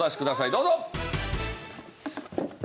どうぞ！